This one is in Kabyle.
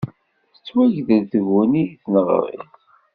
Tettwagdel tguni deg tneɣrit.